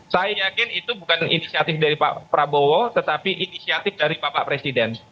saya yakin itu bukan inisiatif dari pak prabowo tetapi inisiatif dari bapak presiden